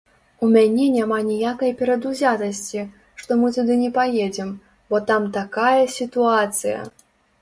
У мяне няма ніякай перадузятасці, што мы туды не паедзем, бо там такая сітуацыя!